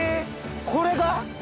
これが？